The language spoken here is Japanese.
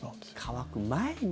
渇く前に。